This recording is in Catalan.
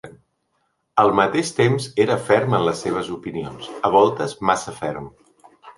Al mateix temps, era ferm en les seves opinions, a voltes massa ferm.